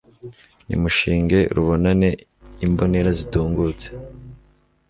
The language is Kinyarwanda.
Nimushinge rubonane Imbonera zitungutse